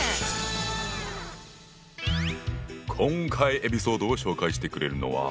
今回エピソードを紹介してくれるのは。